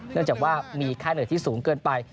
เนื่องจากว่ามีค่าเหนื่อยที่สูงเกินไป